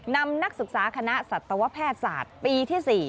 นักศึกษาคณะสัตวแพทย์ศาสตร์ปีที่๔